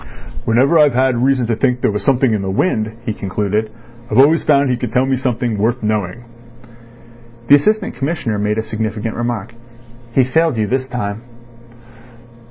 "Whenever I've had reason to think there was something in the wind," he concluded, "I've always found he could tell me something worth knowing." The Assistant Commissioner made a significant remark. "He failed you this time."